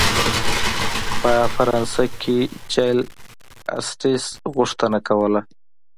په فرانسه کې جل اسټټس غوښتنه کوله.